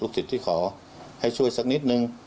ลูกศิษย์ที่ขอให้ช่วยสักนิดหนึ่ง